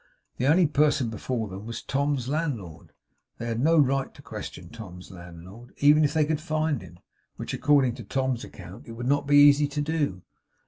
The only person before them was Tom's landlord. They had no right to question Tom's landlord, even if they could find him, which, according to Tom's account, it would not be easy to do.